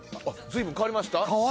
随分変わりました？